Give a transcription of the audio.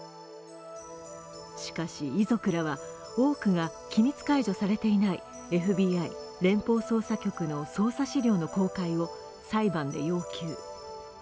しかし、遺族らは多くが機密解除されていないＦＢＩ＝連邦捜査局の捜査資料の公開を裁判で要求。